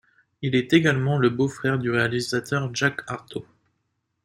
Il est également le beau-frère du réalisateur Jacques Ertaud.